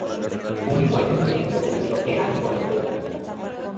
Publicó extensamente sobre Lepidoptera y Coleoptera.